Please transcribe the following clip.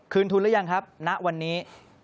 คืนทุนแล้วยังครับณวันนี้